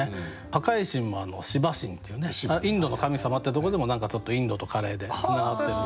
破壊神もシヴァ神っていうインドの神様ってとこでも何かちょっとインドとカレーでつながってるし。